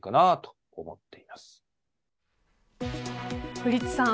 古市さん